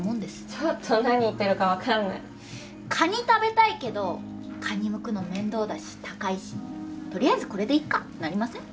ちょっと何言ってるか分かんないカニ食べたいけどカニむくの面倒だし高いしとりあえずこれでいっかってなりません？